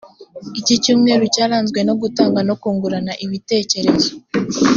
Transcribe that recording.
icyi cyumweru cyaranzwe no gutanga no kungurana ibitekerezo